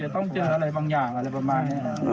ต้องเจออะไรบางอย่างอะไรประมาณนี้